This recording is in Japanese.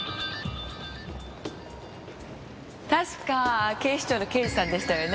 確か警視庁の刑事さんでしたよね。